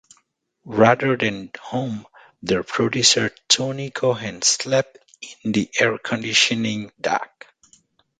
Rather than home, their producer Tony Cohen slept in the air conditioning duct.